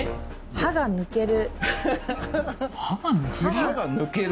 「歯が抜ける」？